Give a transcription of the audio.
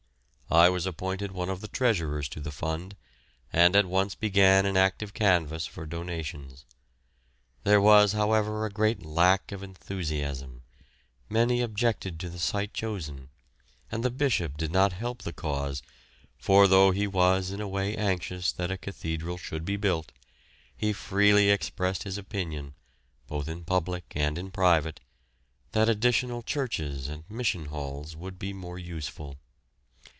I was appointed one of the treasurers to the fund, and at once began an active canvass for donations. There was, however, a great lack of enthusiasm; many objected to the site chosen, and the Bishop did not help the cause, for though he was in a way anxious that a cathedral should be built, he freely expressed his opinion, both in public and in private, that additional churches and mission halls would be more useful.